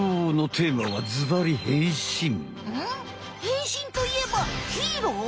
変身といえばヒーロー？